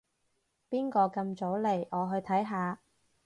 邊個咁早嚟？我去睇下